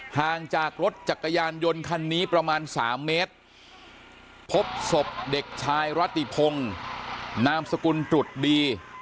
ห่างจากรถจักรยานยนต์คันนี้ประมาณ๓เมตรพบศพเด็กชายรัติพงศ์นามสกุลตรุษดี